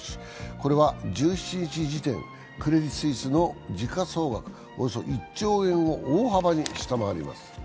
これは１７日時点、クレディ・スイスの時価総額およそ１兆円を大幅に下回ります。